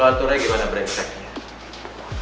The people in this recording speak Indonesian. lo aturnya gimana brengseknya